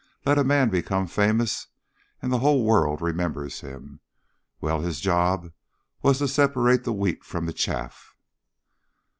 Let a man become famous and the whole world remembers him. Well, his job was to separate the wheat from the chaff.